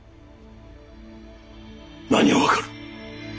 何が分かる！